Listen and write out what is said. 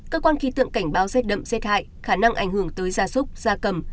cơ quan khí tượng cảnh báo rét đậm rét hại khả năng ảnh hưởng tới gia súc gia cầm